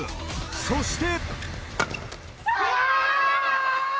そして。